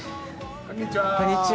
こんにちは！